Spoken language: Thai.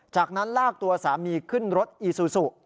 จากนั้นลากตัวสามีขึ้นรถอีซูซู